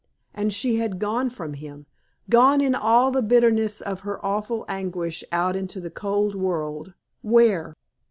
And she had gone from him, gone in all the bitterness of her awful anguish out into the cold world where?